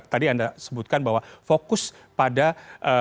tadi anda sebutkan bahwa fokus ini adalah untuk menjaga kebenaran dan keadilan